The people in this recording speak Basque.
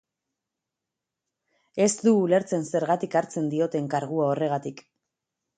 Ez du ulertzen zergatik hartzen dioten kargua horregatik.